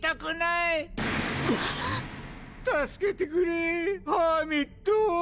助けてくれぇハーミット。